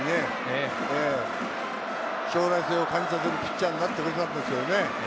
将来性を感じさせるピッチャーになってくれたんですよね。